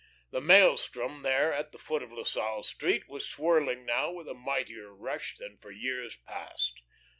The maelstrom there at the foot of La Salle Street was swirling now with a mightier rush than for years past.